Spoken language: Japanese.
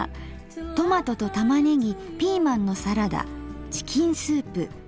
「トマトと玉ねぎピーマンのサラダチキンスープ」。